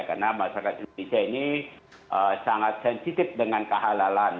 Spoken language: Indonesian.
karena masyarakat indonesia ini sangat sensitif dengan kehalalan